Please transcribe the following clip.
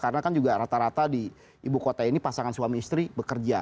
karena kan juga rata rata di ibu kota ini pasangan suami istri bekerja